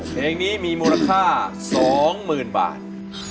เพลงนี้มีมูลค่า๒หมื่นบาท